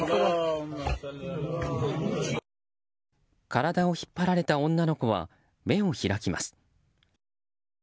体を引っ張られた女の子は目を開きます。